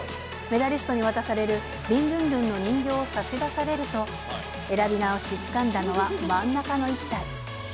メダリストに渡されるビンドゥンドゥンの人形を差し出されると、選び直し、つかんだのは、真ん中の１体。